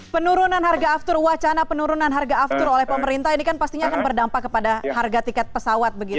penurunan harga aftur wacana penurunan harga aftur oleh pemerintah ini kan pastinya akan berdampak kepada harga tiket pesawat begitu ya